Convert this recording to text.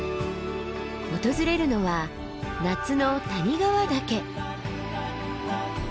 訪れるのは夏の谷川岳。